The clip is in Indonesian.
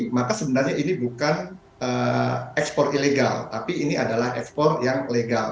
maka sebenarnya ini bukan ekspor ilegal tapi ini adalah ekspor yang legal